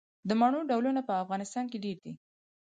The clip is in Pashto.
د مڼو ډولونه په افغانستان کې ډیر دي.